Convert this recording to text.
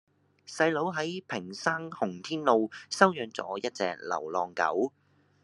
細佬喺屏山洪天路收養左一隻流浪狗